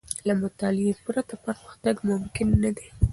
له مطالعې پرته، پرمختګ ممکن نه دی.